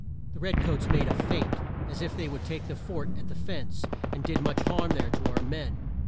The red coats made a feint as if they would take the fort at the fence, and did much harm there to our men.